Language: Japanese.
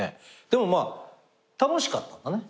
でもまあ楽しかったんだね。